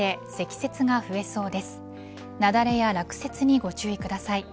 雪崩や落雪にご注意ください。